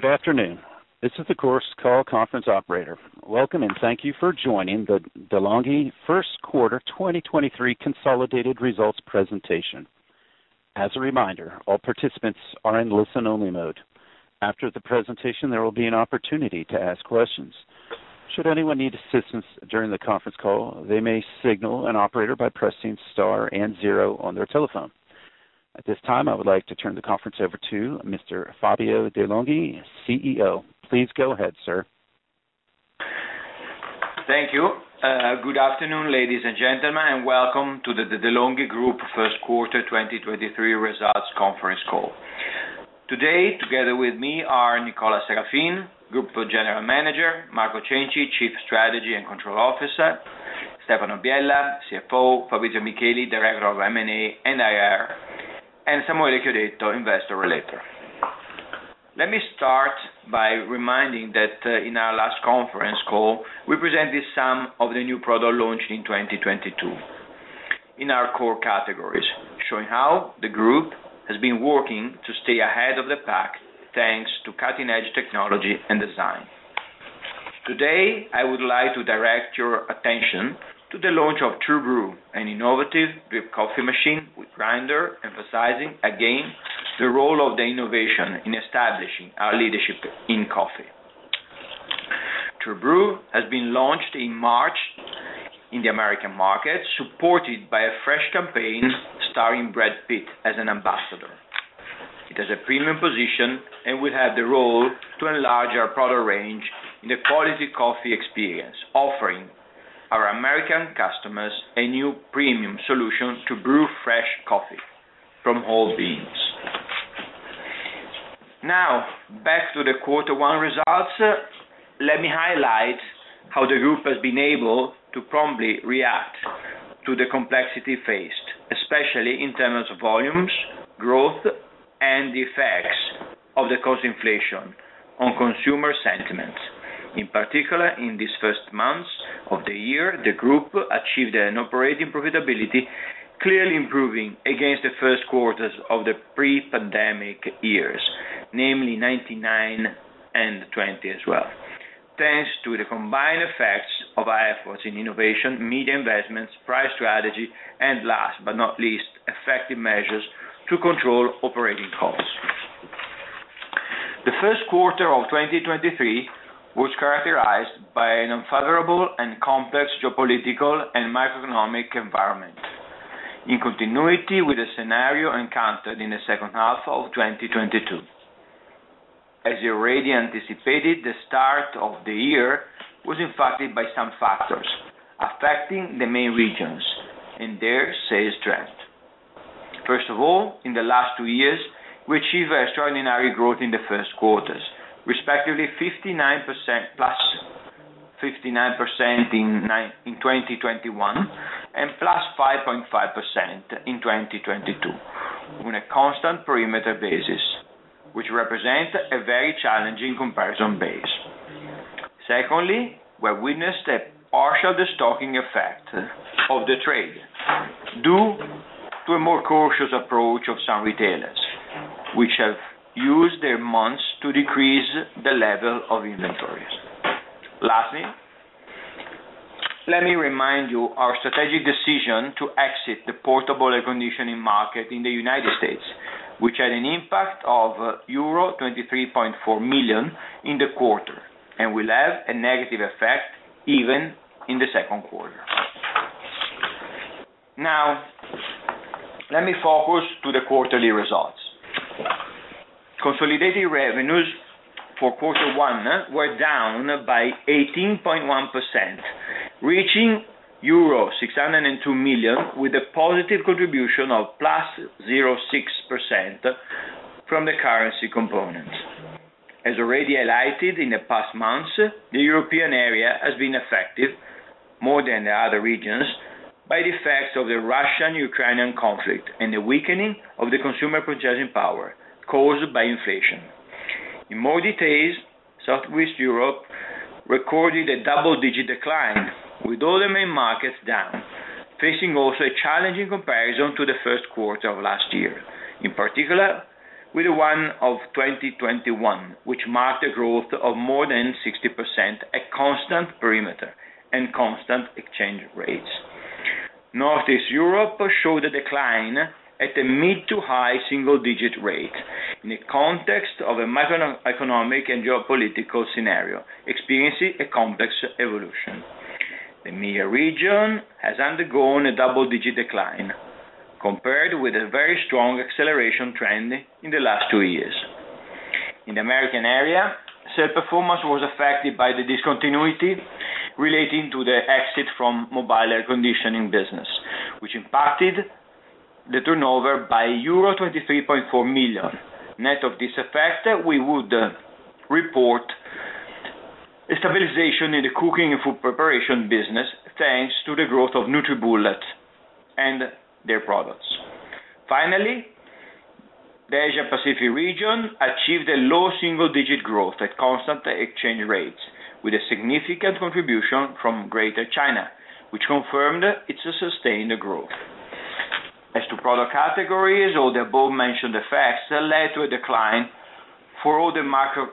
Good afternoon. This is the Chorus Call conference operator. Welcome and thank you for joining the De'Longhi Q1 2023 consolidated results presentation. As a reminder, all participants are in listen-only mode. After the presentation, there will be an opportunity to ask questions. Should anyone need assistance during the conference call, they may signal an operator by pressing star and zero on their telephone. At this time, I would like to turn the conference over to Mr. Fabio De'Longhi, CEO. Please go ahead, sir. Thank you. Good afternoon, ladies and gentlemen, and welcome to the De'Longhi Group Q1 2023 results conference call. Today, together with me are Nicola Serafin, Group General Manager, Marco Cenci, Chief Strategy and Control Officer, Stefano Biella, CFO, Fabrizio Micheli, Director of M&A and IR, and Samuele Chiodetto, Investor Relator. Let me start by reminding that in our last conference call, we presented some of the new product launch in 2022 in our core categories, showing how the group has been working to stay ahead of the pack, thanks to cutting edge technology and design. Today, I would like to direct your attention to the launch of TrueBrew, an innovative drip coffee machine with grinder, emphasizing again the role of the innovation in establishing our leadership in coffee. TrueBrew has been launched in March in the American market, supported by a fresh campaign starring Brad Pitt as an ambassador. It has a premium position and will have the role to enlarge our product range in the quality coffee experience, offering our American customers a new premium solution to brew fresh coffee from whole beans. Back to the quarter one results. Let me highlight how the group has been able to promptly react to the complexity faced, especially in terms of volumes, growth, and the effects of the cost inflation on consumer sentiments. In particular, in these first months of the year, the group achieved an operating profitability, clearly improving against the Q1s of the pre-pandemic years, namely 1999 and 2020 as well, thanks to the combined effects of our efforts in innovation, media investments, price strategy, and last but not least, effective measures to control operating costs. The Q1 of 2023 was characterized by an unfavorable and complex geopolitical and macroeconomic environment. In continuity with the scenario encountered in the H2 of 2022. As you already anticipated, the start of the year was impacted by some factors affecting the main regions and their sales trend. In the last two years, we achieved extraordinary growth in the Q1s, respectively 59% plus, 59% in 2021, and +5.5% in 2022 on a constant perimeter basis, which represents a very challenging comparison base. We witnessed a partial de-stocking effect of the trade due to a more cautious approach of some retailers, which have used their months to decrease the level of inventories. Let me remind you our strategic decision to exit the portable air conditioning market in the United States, which had an impact of euro 23.4 million in the quarter and will have a negative effect even in the Q2. Let me focus to the quarterly results. Consolidated revenues for quarter one were down by 18.1%, reaching euro 602 million, with a positive contribution of +0.6% from the currency component. As already highlighted in the past months, the European area has been affected more than the other regions by the effects of the Russo-Ukrainian conflict and the weakening of the consumer purchasing power caused by inflation. In more details, Southwest Europe recorded a double-digit decline, with all the main markets down, facing also a challenging comparison to the Q1 of last year, in particular with the one of 2021, which marked a growth of more than 60%, a constant perimeter and constant exchange rates. Northeast Europe showed a decline at a mid to high single digit rate in the context of a macroeconomic and geopolitical scenario, experiencing a complex evolution. The EMEA region has undergone a double-digit decline compared with a very strong acceleration trend in the last two years. In the American area, said performance was affected by the discontinuity relating to the exit from mobile air conditioning business, which impacted the turnover by euro 23.4 million. Net of this effect, we would report a stabilization in the cooking and food preparation business, thanks to the growth of NutriBullet and their products. The Asia Pacific region achieved a low single-digit growth at constant exchange rates, with a significant contribution from Greater China, which confirmed its sustained growth. To product categories or the above mentioned effects that led to a decline for all the macro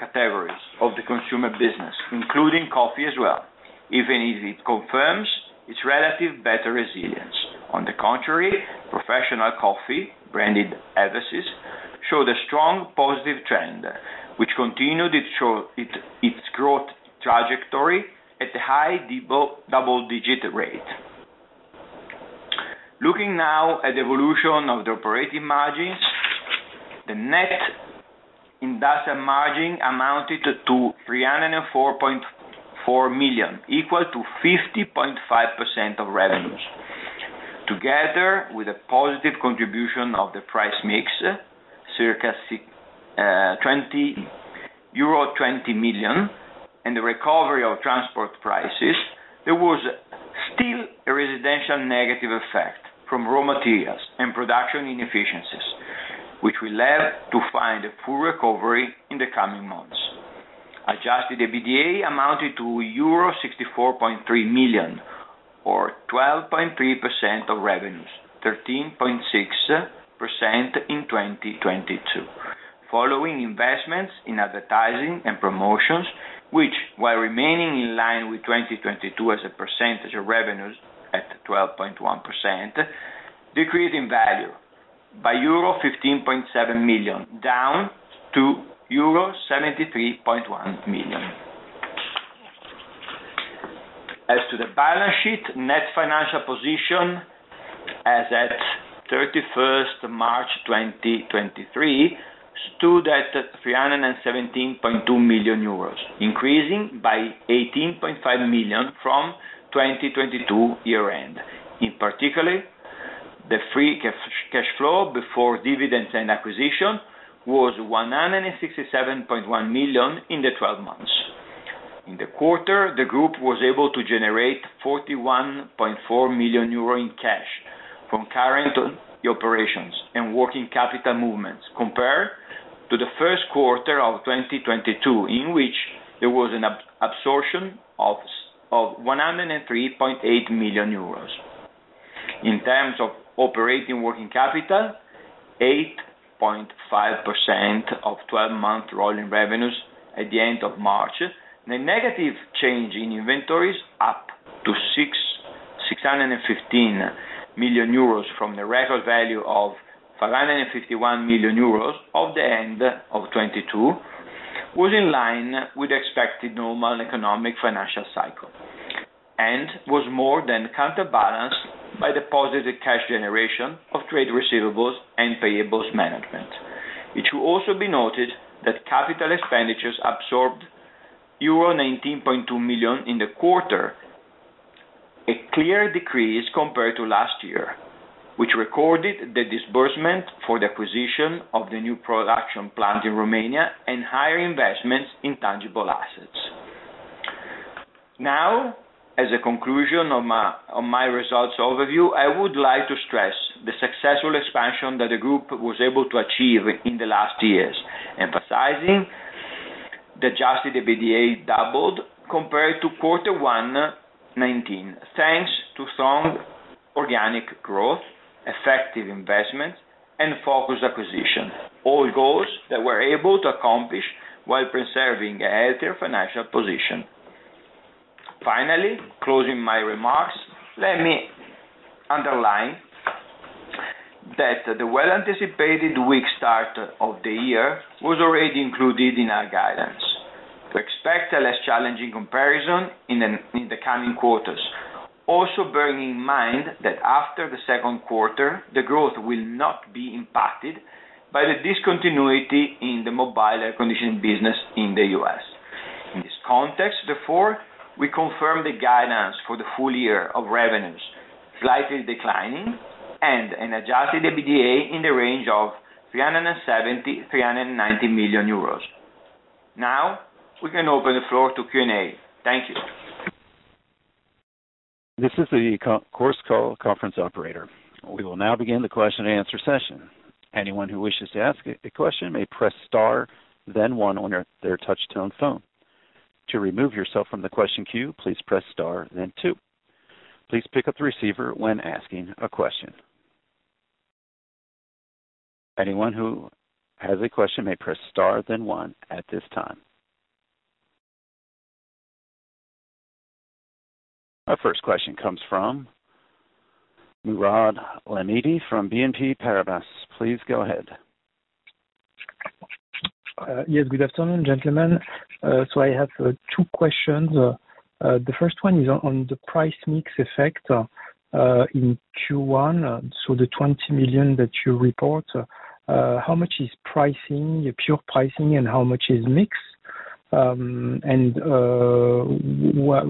categories of the consumer business, including coffee as well, even if it confirms its relative better resilience. On the contrary, professional coffee, branded Eversys, showed a strong positive trend, which continued its growth trajectory at a high double-digit rate. Looking now at the evolution of the operating margins, the net industrial margin amounted to 304.4 million, equal to 50.5% of revenues. Together with a positive contribution of the price mix, circa euro 20 million, and the recovery of transport prices, there was still a residential negative effect from raw materials and production inefficiencies, which we led to find a full recovery in the coming months. Adjusted EBITDA amounted to euro 64.3 million, or 12.3% of revenues, 13.6% in 2022. Following investments in advertising and promotions, which while remaining in line with 2022 as a percentage of revenues at 12.1%, decreased in value by euro 15.7 million, down to euro 73.1 million. As to the balance sheet, net financial position as at 31st March 2023 stood at 317.2 million euros, increasing by 18.5 million from 2022 year end. In particular, the free cash flow before dividends and acquisition was 167.1 million in the 12 months. In the quarter, the group was able to generate 41.4 million euro in cash from current operations and working capital movements compared to the Q1 of 2022, in which there was an absorption of 103.8 million euros. In terms of operating working capital, 8.5% of 12-month rolling revenues at the end of March. The negative change in inventories up to 615 million euros from the record value of 551 million euros of the end of 2022 was in line with expected normal economic financial cycle, and was more than counterbalanced by the positive cash generation of trade receivables and payables management. It should also be noted that capital expenditures absorbed euro 19.2 million in the quarter, a clear decrease compared to last year, which recorded the disbursement for the acquisition of the new production plant in Romania and higher investments in tangible assets. As a conclusion of my results overview, I would like to stress the successful expansion that the group was able to achieve in the last years, emphasizing the adjusted EBITDA doubled compared to quarter one 2019, thanks to strong organic growth, effective investment, and focused acquisition, all goals that we're able to accomplish while preserving a healthier financial position. Finally, closing my remarks, let me underline that the well-anticipated weak start of the year was already included in our guidance. We expect a less challenging comparison in the coming quarters. Also bearing in mind that after the Q2, the growth will not be impacted by the discontinuity in the mobile air conditioning business in the U.S. In this context, therefore, we confirm the guidance for the full year of revenues slightly declining and an adjusted EBITDA in the range of 370 -390 million euros. We can open the floor to Q&A. Thank you. This is the Chorus Call conference operator. We will now begin the question-and-answer session. Anyone who wishes to ask a question may press star then one on their touch tone phone. To remove yourself from the question queue, please press star then two. Please pick up the receiver when asking a question. Anyone who has a question may press star then one at this time. Our first question comes from Mourad Lahmidi from BNP Paribas. Please go ahead. Yes, good afternoon, gentlemen. I have two questions. The first one is on the price mix effect in Q1, so the 20 million that you report, how much is pricing, pure pricing and how much is mix? What...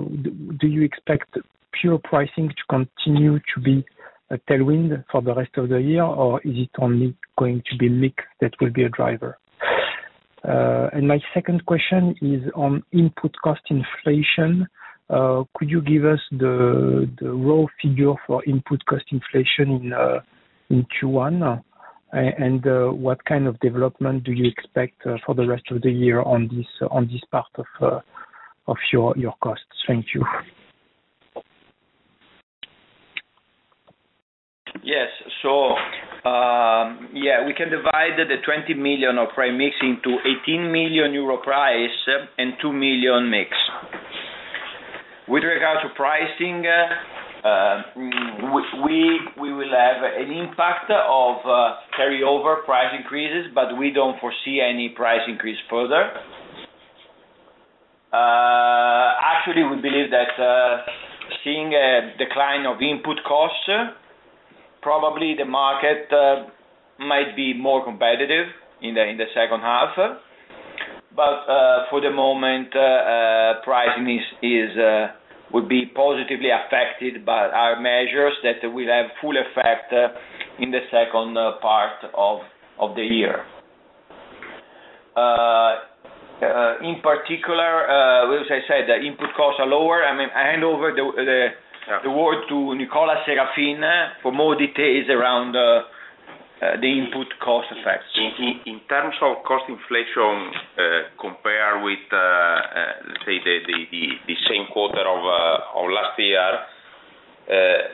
Do you expect pure pricing to continue to be a tailwind for the rest of the year, or is it only going to be mix that will be a driver? My second question is on input cost inflation. Could you give us the raw figure for input cost inflation in Q1? What kind of development do you expect for the rest of the year on this, on this part of? Of your costs. Thank you. Yes. We can divide the 20 million of price mix into 18 million euro price and 2 million mix. With regard to pricing, we will have an impact of carryover price increases, but we don't foresee any price increase further. Actually, we believe that seeing a decline of input costs, probably the market might be more competitive in the H2. For the moment, pricing is would be positively affected by our measures that will have full effect in the second part of the year. In particular, well, as I said, the input costs are lower. I mean, I hand over the word to Nicola Serafin for more details around the input cost effect. In terms of cost inflation, compared with, let's say, the same quarter of last year,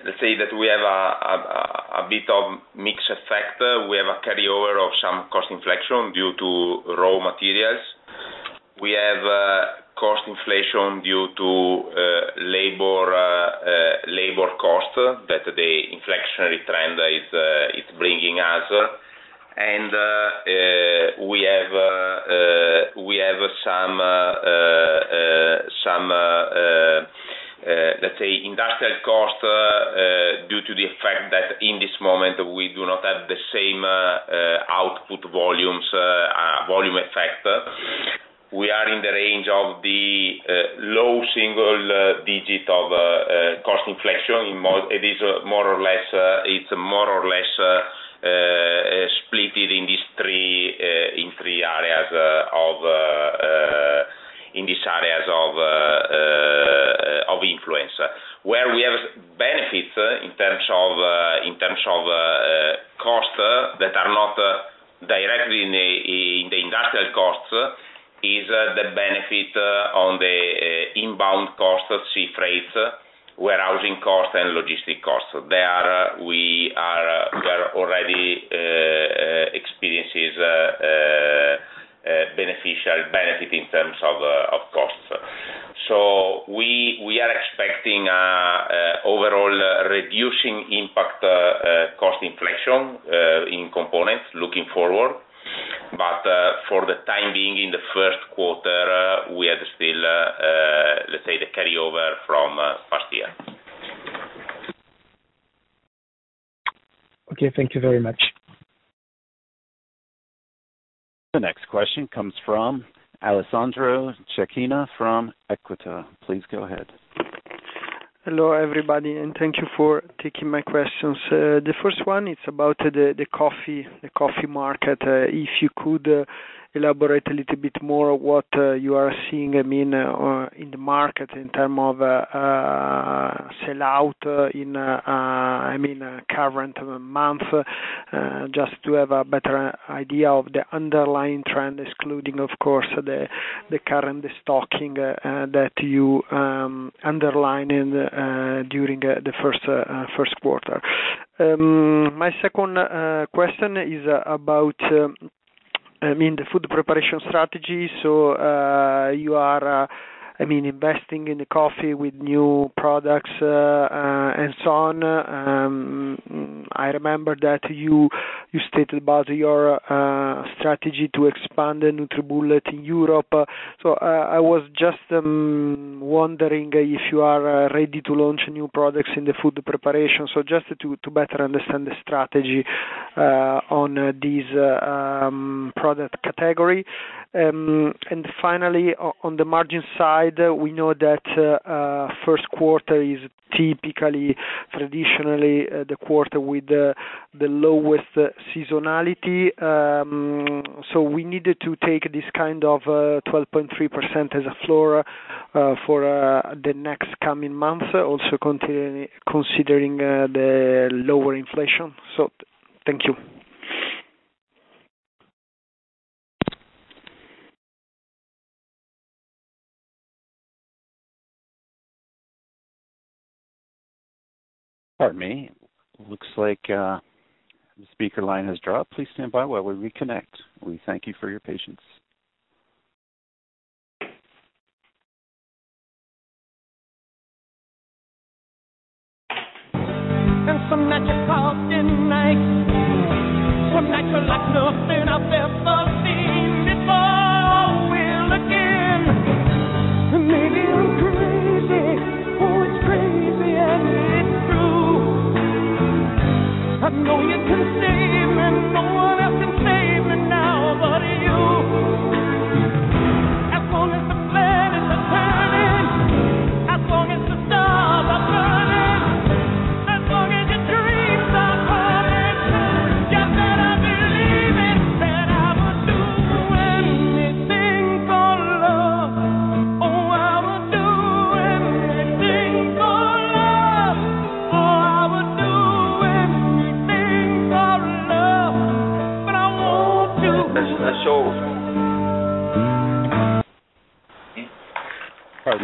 let's say that we have a bit of mix effect. We have a carryover of some cost inflation due to raw materials. We have cost inflation due to labor costs that the inflationary trend is bringing us. We have some, let's say industrial cost due to the fact that in this moment we do not have the same output volumes, volume effect. We are in the range of the low single digit of cost inflation. In more... It's more or less splitted in three areas of influence. Where we have benefits in terms of cost that are not directly in the industrial costs, is the benefit on the inbound cost of sea freight, warehousing costs, and logistic costs. We are already experiences beneficial benefit in terms of costs. We are expecting overall reducing impact cost inflation in components looking forward. For the time being, in the Q1, we are still let's say the carryover from past year. Okay, thank you very much. The next question comes from Alessandro Cecchini from Equita. Please go ahead. Hello, everybody, thank you for taking my questions. The first one is about the coffee market. If you could elaborate a little bit more what you are seeing, I mean, in the market in terms of sell out in, I mean, current month, just to have a better idea of the underlying trend, excluding of course, the current stocking that you underline in during the Q1. My second question is about, I mean the food preparation strategy. You are, I mean, investing in the coffee with new products and so on. I remember that you stated about your strategy to expand the NutriBullet in Europe. I was just wondering if you are ready to launch new products in the food preparation. Just to better understand the strategy on these product category. Finally, on the margin side, we know that Q1 is typically, traditionally the quarter with the lowest seasonality. We needed to take this kind of 12.3% as a floor for the next coming month. Also considering the lower inflation. Thank you. Pardon me. Looks like the speaker line has dropped. Please stand by while we reconnect. We thank you for your patience.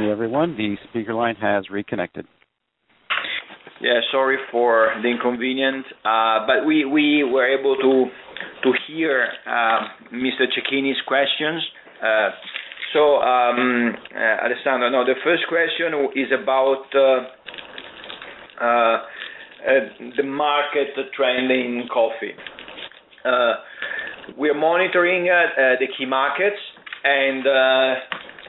Pardon me everyone. The speaker line has reconnected. Sorry for the inconvenience. We were able to hear Mr. Cecchini's questions. Alessandro, now, the first question is about the market, the trend in coffee. We are monitoring the key markets and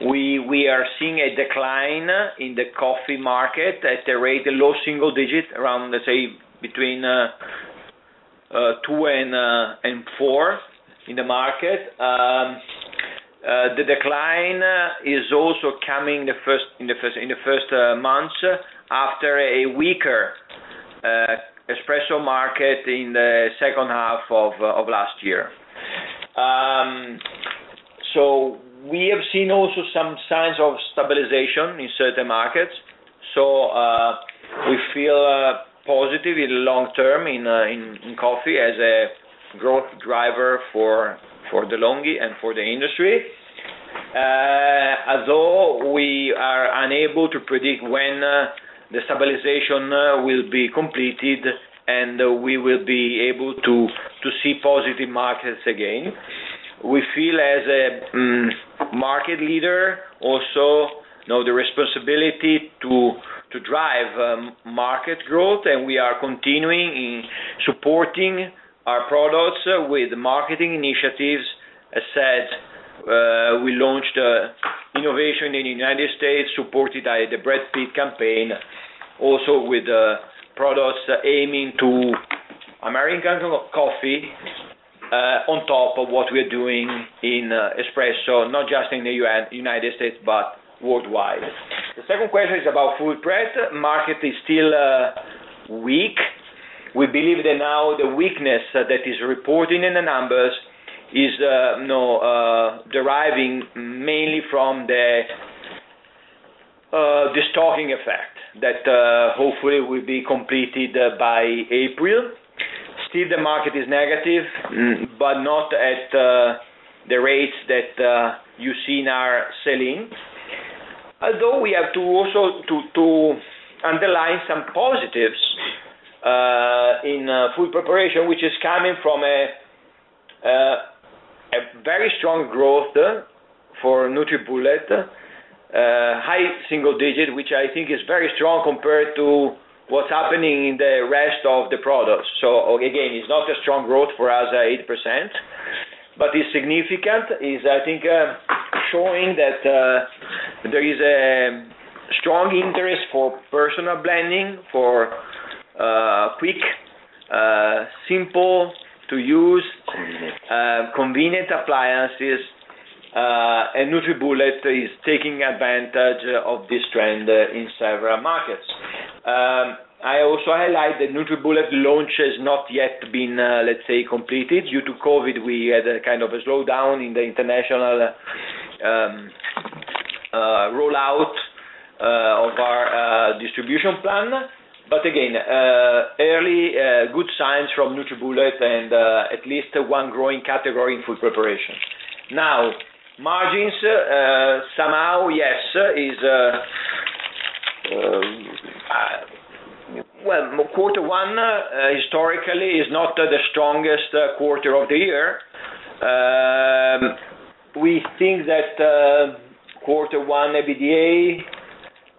we are seeing a decline in the coffee market at a rate of low single digits around, let's say between two and four in the market. The decline is also coming in the first months after a weaker espresso market in the H2 of last year. We have seen also some signs of stabilization in certain markets. We feel positive in the long term in coffee as a growth driver for De'Longhi and for the industry. Although we are unable to predict when the stabilization will be completed, and we will be able to see positive markets again. We feel as a market leader also, you know, the responsibility to drive market growth, we are continuing in supporting our products with marketing initiatives. As said, we launched innovation in the United States, supported by the Brad Pitt campaign, also with the products aiming to American coffee, on top of what we're doing in espresso, not just in the United States, but worldwide. The second question is about food prep. Market is still weak. We believe that now the weakness that is reporting in the numbers is, you know, deriving mainly from the stocking effect that hopefully will be completed by April. The market is negative, but not at the rates that you see in our selling. We have to also to underline some positives, in food preparation, which is coming from a very strong growth for NutriBullet, high single digit, which I think is very strong compared to what's happening in the rest of the products. Again, it's not a strong growth for us at 8%, but it's significant, is I think, showing that there is a strong interest for personal blending, for quick, simple to use. Convenient. convenient appliances. NutriBullet is taking advantage of this trend in several markets. I also highlight the NutriBullet launch has not yet been, let's say, completed. Due to COVID, we had a kind of a slowdown in the international rollout of our distribution plan. Again, early good signs from NutriBullet and at least one growing category in food preparation. Margins, somehow, yes, is, well, quarter one historically is not the strongest quarter of the year. We think that quarter one EBITDA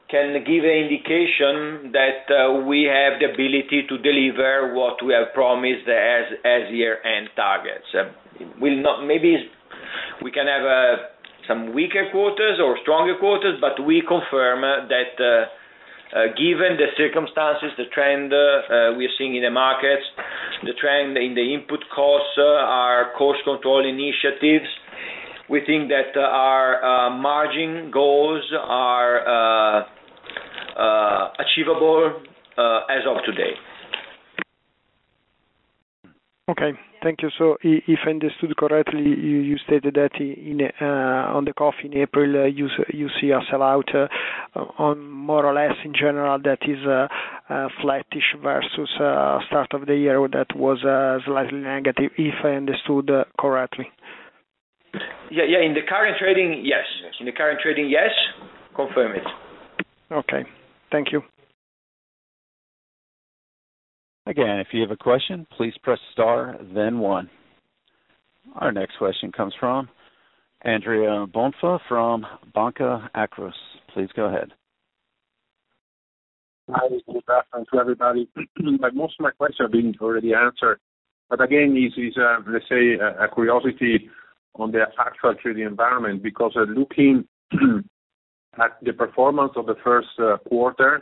can give an indication that we have the ability to deliver what we have promised as year-end targets. Maybe we can have some weaker quarters or stronger quarters, but we confirm that given the circumstances, the trend we're seeing in the markets, the trend in the input costs, our cost control initiatives, we think that our margin goals are achievable as of today. Okay. Thank you. If I understood correctly, you stated that in on the coffee in April, you see a sellout on more or less in general that is flattish versus start of the year that was slightly negative, if I understood correctly. Yeah, yeah. In the current trading, yes. Yes. In the current trading, yes. Confirm it. Okay. Thank you. Again, if you have a question, please press star then one. Our next question comes from Andrea Bonfà from Banca Akros. Please go ahead. Hi. Good afternoon to everybody. Most of my questions have been already answered. Again, this is, let's say a curiosity on the actual trading environment, because looking at the performance of the Q1,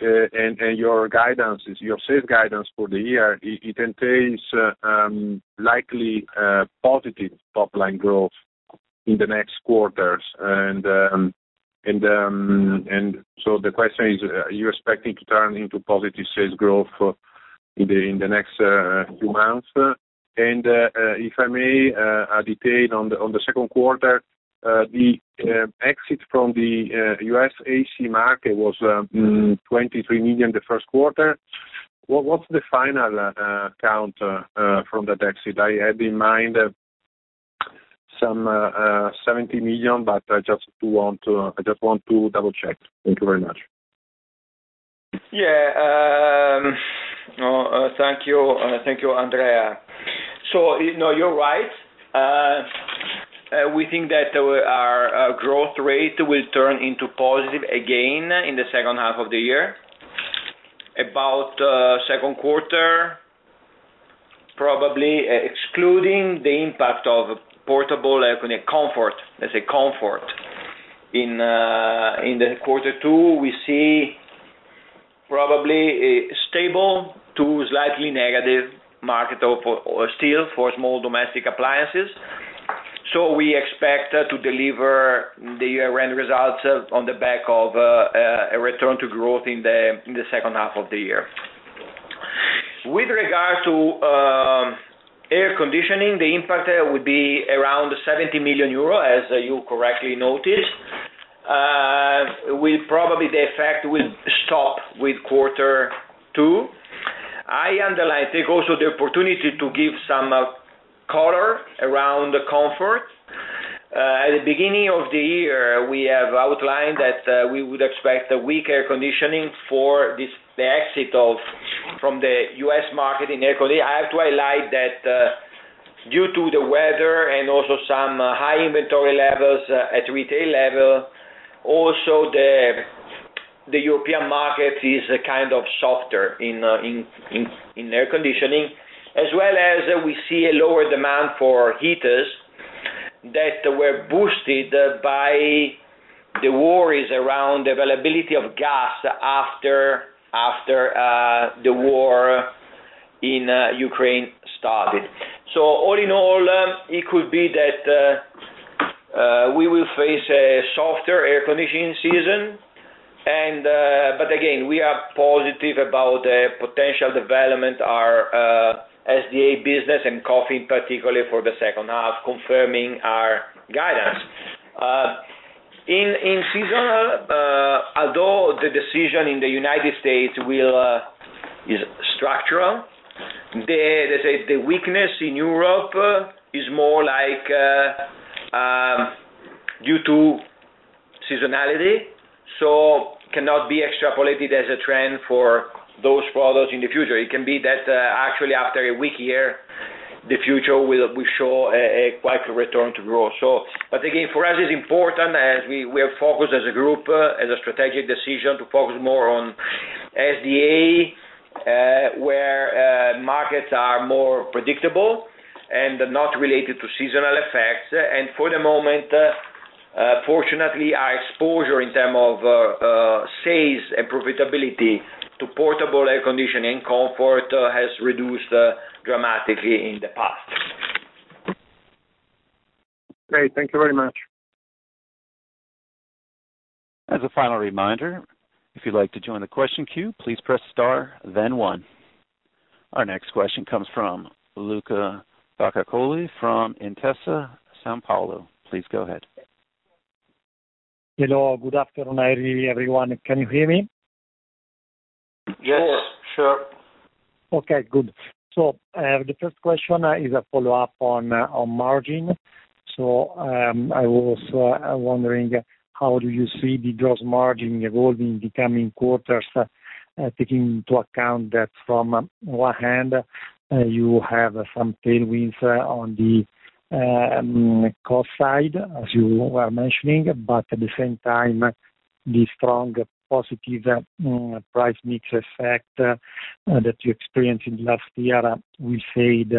and your guidance, your sales guidance for the year, it entails likely positive top-line growth in the next quarters. The question is, are you expecting to turn into positive sales growth in the next few months? If I may, a detail on the Q2, the exit from the U.S. AC market was 23 million the Q1. What's the final count from that exit? I had in mind some 70 million, but I just want to double-check. Thank you very much. Thank you. Thank you, Andrea. You know, you're right. We think that our growth rate will turn into positive again in the H2 of the year. About Q2, probably excluding the impact of portable comfort, let's say comfort. In the quarter two, we see probably a stable to slightly negative market of still for small domestic appliances. We expect to deliver the year-end results on the back of a return to growth in the, in the H2 of the year. With regard to air conditioning, the impact there would be around 70 million euro, as you correctly noted. We probably the effect will stop with quarter two. I take also the opportunity to give some color around the comfort. At the beginning of the year, we have outlined that we would expect weaker conditioning from the U.S. market in air con. I have to highlight that due to the weather and also some high inventory levels at retail level, also the European market is kind of softer in air conditioning, as well as we see a lower demand for heaters that were boosted by the worries around availability of gas after the war in Ukraine started. All in all, it could be that we will face a softer air conditioning season. Again, we are positive about the potential development our SDA business and coffee, particularly for the H2, confirming our guidance. In seasonal, although the decision in the United States will is structural, the weakness in Europe is more like due to seasonality, so cannot be extrapolated as a trend for those products in the future. It can be that actually after a weak year, the future will show a quite return to growth. Again, for us, it's important as we are focused as a group, as a strategic decision to focus more on SDA, where markets are more predictable and not related to seasonal effects. For the moment, fortunately, our exposure in term of sales and profitability to portable air conditioning comfort has reduced dramatically in the past. Great. Thank you very much. As a final reminder, if you'd like to join the question queue, please press star then one. Our next question comes from Luca Solca from Intesa Sanpaolo. Please go ahead. Hello. Good afternoon, everyone. Can you hear me? Yes. Sure. Okay, good. The first question is a follow-up on margin. I was wondering, how do you see the gross margin evolving in the coming quarters, taking into account that from one hand, you have some tailwinds on the cost side, as you were mentioning, but at the same time, the strong positive price mix effect that you experienced in last year will fade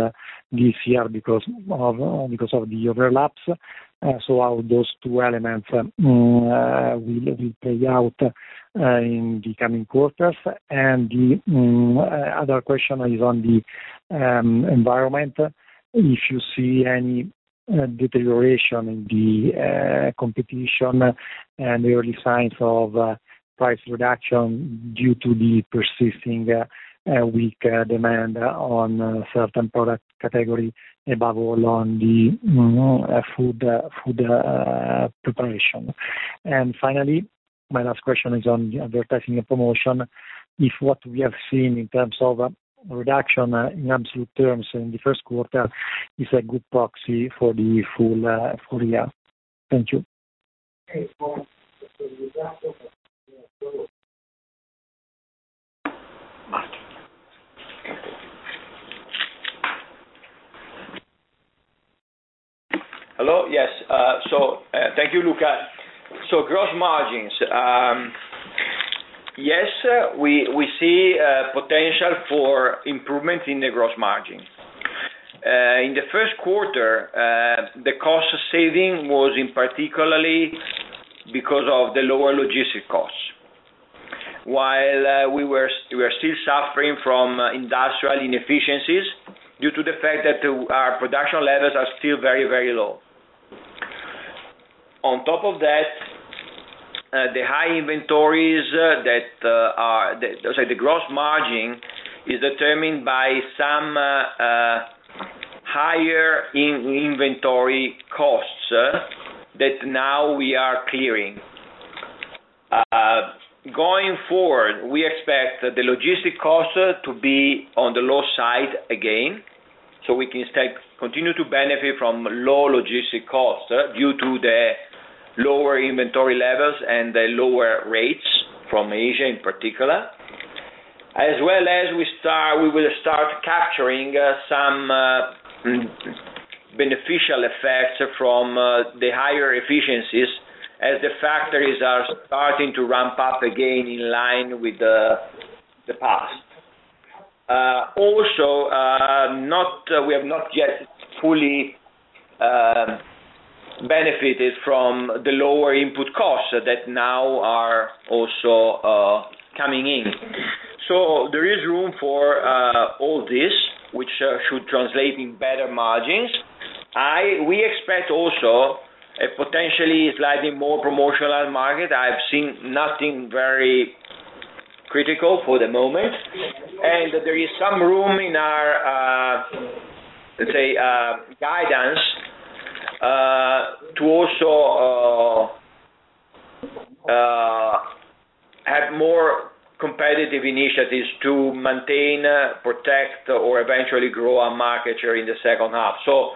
this year because of the overlaps. How those two elements will play out in the coming quarters. The other question is on the environment. If you see any deterioration in the competition and the early signs of price reduction due to the persisting weak demand on certain product category, above all on the food preparation. Finally, my last question is on the advertising and promotion. If what we have seen in terms of reduction in absolute terms in the Q1 is a good proxy for the full year. Thank you. Hello. Yes. Thank you, Luca. Gross margins. Yes, we see, potential for improvement in the gross margin. In the Q1, the cost saving was in particularly because of the lower logistic costs. While we are still suffering from industrial inefficiencies due to the fact that our production levels are still very, very low. On top of that, the high inventories that are... Sorry. The gross margin is determined by some, inventory costs that now we are clearing. Going forward, we expect the logistic costs to be on the low side again, so we can continue to benefit from low logistic costs due to the lower inventory levels and the lower rates from Asia in particular. As well as we start, we will start capturing some beneficial effects from the higher efficiencies as the factories are starting to ramp up again in line with the past. Also, we have not yet fully benefited from the lower input costs that now are also coming in. There is room for all this, which should translate in better margins. We expect also a potentially slightly more promotional market. I've seen nothing very critical for the moment. There is some room in our, let's say, guidance to also have more competitive initiatives to maintain, protect, or eventually grow our market share in the H2.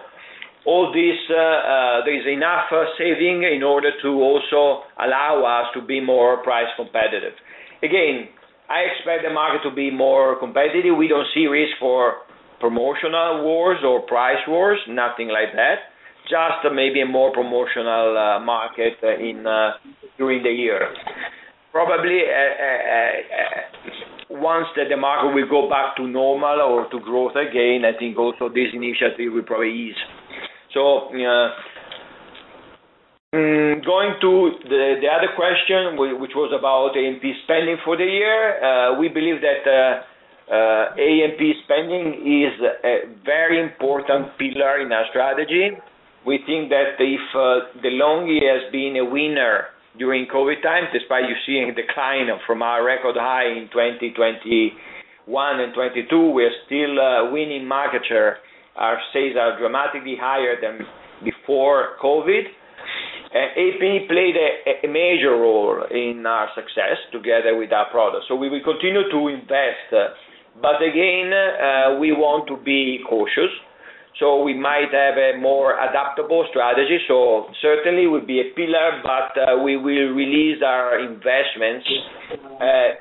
All this, there is enough saving in order to also allow us to be more price competitive. I expect the market to be more competitive. We don't see risk for promotional wars or price wars, nothing like that. Just maybe a more promotional market during the year. Probably once the market will go back to normal or to growth again, I think also this initiative will probably ease. Going to the other question which was about A&P spending for the year. We believe that A&P spending is a very important pillar in our strategy. We think that if De'Longhi has been a winner during COVID times, despite you seeing a decline from our record high in 2021 and 2022, we are still a winning market share. Our sales are dramatically higher than before COVID. A&P played a major role in our success together with our products. We will continue to invest. Again, we want to be cautious. We might have a more adaptable strategy. Certainly would be a pillar, but, we will release our investments,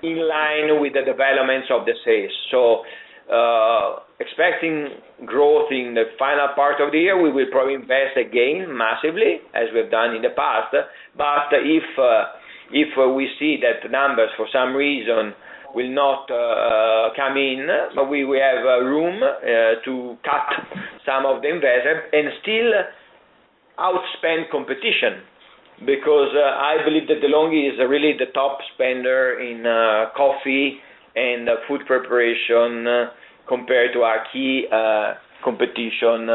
in line with the developments of the sales. Expecting growth in the final part of the year. We will probably invest again massively, as we've done in the past. If, if we see that numbers for some reason will not, come in, we have room to cut some of the investment and still outspend competition, because I believe that De'Longhi is really the top spender in coffee and food preparation compared to our key competition,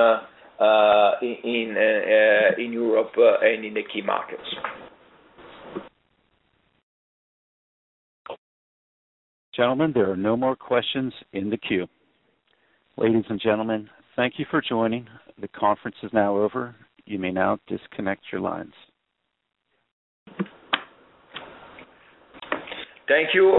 in Europe and in the key markets. Gentlemen, there are no more questions in the queue. Ladies and gentlemen, thank you for joining. The conference is now over. You may now disconnect your lines. Thank you.